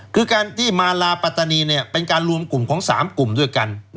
คือการที่มาลาปัตตานีเป็นการรวมกลุ่มของ๓กลุ่มด้วยกัน